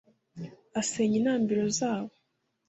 asenya intambiro zabo